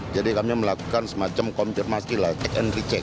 jadi kami melakukan semacam konfirmasi lah check and recheck